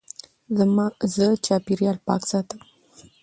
زه چاپېریال پاک ساتم.